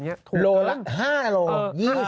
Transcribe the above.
นายต้องถูกเกิน๕โลละเยี่ยม